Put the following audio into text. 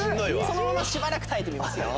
そのまましばらく耐えてみますよ。